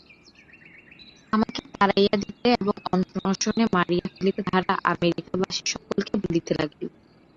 আমাকে তাড়াইয়া দিতে এবং অনশনে মারিয়া ফেলিতে তাহারা আমেরিকাবাসী সকলকে বলিতে লাগিল।